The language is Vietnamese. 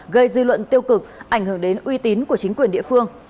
gây dư luận tiêu cực ảnh hưởng đến uy tín của chính quyền địa phương